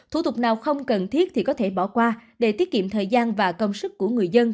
thủ tục nào không cần thiết thì có thể bỏ qua để tiết kiệm thời gian và công sức của người dân